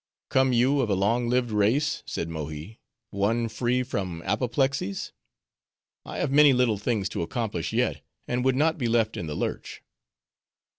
"Come you of a long lived race," said Mohi, "one free from apoplexies? I have many little things to accomplish yet, and would not be left in the lurch."